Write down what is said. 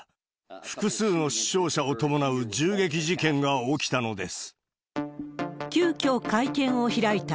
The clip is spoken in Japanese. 複数の死傷者を伴う銃撃事件が起きたのです。